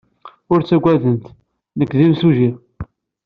Ur ttaggademt. Nekk d imsujji.